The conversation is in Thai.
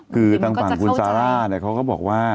คือทางฝั่งคุณซาระแหละเขาก็บอกว่า